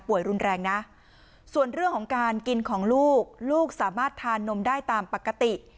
รุนแรงนะส่วนเรื่องของการกินของลูกลูกสามารถทานนมได้ตามปกติ